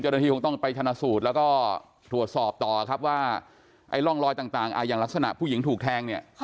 คงต้องไปชนะสูตรแล้วก็ตรวจสอบต่อครับว่าไอ้ร่องรอยต่างอย่างลักษณะผู้หญิงถูกแทงเนี่ย